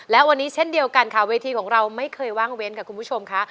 และวันนี้เช่นเดียวกันค่ะเวทีของเราไม่เคยว่างเว้นค่ะคุณผู้ชมค่ะ